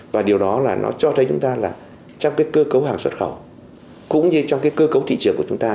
và điều đó là nó cho thấy chúng ta là trong cái cơ cấu hàng xuất khẩu cũng như trong cái cơ cấu thị trường của chúng ta